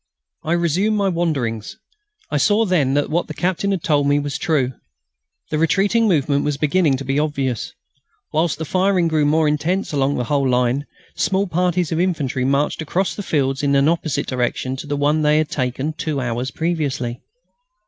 I resumed my wanderings. I saw then that what the captain had told me was true. The retreating movement was beginning to be obvious. Whilst the firing grew more intense along the whole line small parties of infantry marched across the fields in an opposite direction to the one they had taken two hours previously.